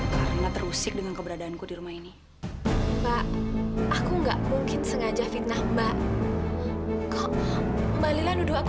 karena terusik dengan keberadaanku di rumah ini mbak aku nggak mungkin sengaja fitnah mbak